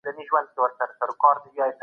اګوستين ويلي دي چي دولت د کليسا بازو دی.